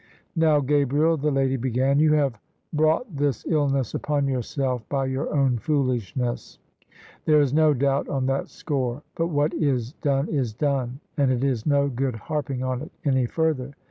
" Now, Gabriel," the lady began, " you have brought this illness upon yourself by your own foolishness: there is no doubt on that score: but what is done is done, and it is no good harping on it any further.